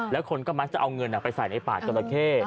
แล้วคนก็มักจะเอาเงินไปใส่ในป่าจราเข้